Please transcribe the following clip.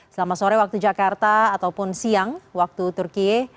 selamat sore waktu jakarta ataupun siang waktu turkiye